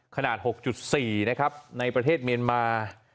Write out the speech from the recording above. ขนาด๖๔นะครับในประเทศเมียนมา